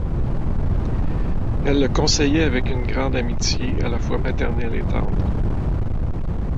Elle le conseillait avec une grande amitié, à la fois maternelle et tendre.